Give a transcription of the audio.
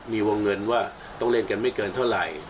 มีวงเงินว่าต้องเล่นกันไม่เกินเท่าไหร่